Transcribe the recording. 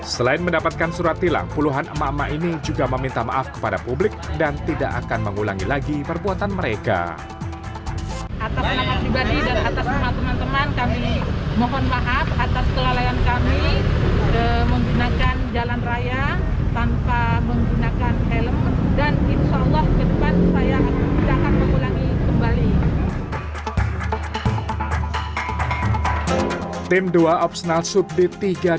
selain mendapatkan surat tilang puluhan emak emak ini juga meminta maaf kepada publik dan tidak akan mengulangi lagi perbuatan mereka